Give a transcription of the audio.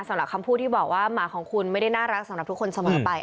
สำหรับคำพูดที่บอกว่าหมาของคุณไม่ได้น่ารักสำหรับทุกคนเสมอไป